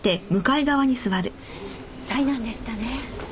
災難でしたね。